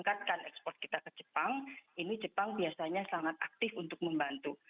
nah kalau kita ingin transport kita ke jepang ini jepang biasanya sangat aktif untuk membantu